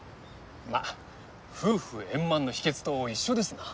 まっ夫婦円満の秘訣と一緒ですな。